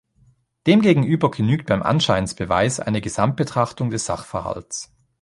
Demgegenüber genügt beim Anscheinsbeweis eine Gesamtbetrachtung des Sachverhalts.